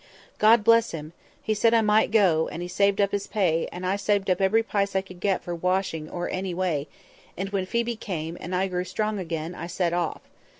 God bless him! he said I might go; and he saved up his pay, and I saved every pice I could get for washing or any way; and when Phoebe came, and I grew strong again, I set off.